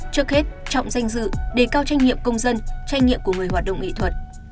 trước hết trọng danh dự đề cao tranh nghiệm công dân tranh nghiệm của người hoạt động nghị thuật